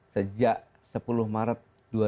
sejak sepuluh maret dua ribu empat belas